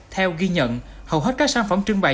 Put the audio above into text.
theo ghi nhận hầu hết các sản phẩm trưng bày